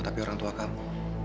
tapi orang tua kamu